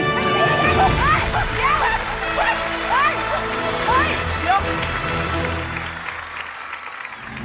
เดี๋ยว